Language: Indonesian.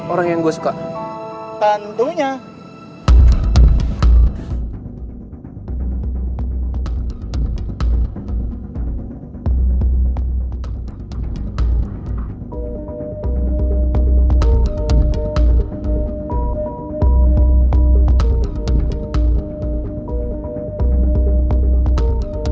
orang yang gue suka tentunya